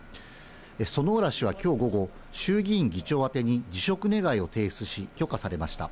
薗浦氏はきょう午後、衆議院議長宛てに辞職願を提出し、許可されました。